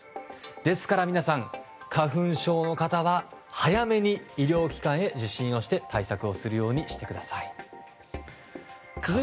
ですから、花粉症の方は早めに医療機関へ受診をして対策をするようにしてください。